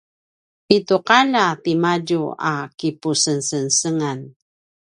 i tju’alja timadju a kipusengsengsengan